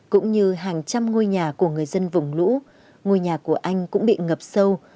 cũng như hàng trăm ngôi nhà của người dân vùng lũ ngôi nhà của anh cũng bị ngập sâu